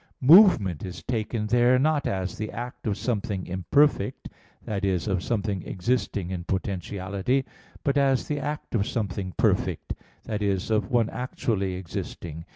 1: Movement is taken there not as the act of something imperfect, that is, of something existing in potentiality, but as the act of something perfect, that is, of one actually existing.